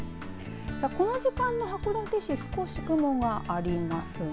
この時間の函館市少し雲がありますね。